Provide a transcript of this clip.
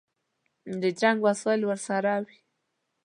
د جنګ وسایل ورسره وي.